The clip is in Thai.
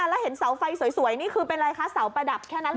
แล้วเห็นเสาไฟสวยนี่คือเป็นอะไรคะเสาประดับแค่นั้นเห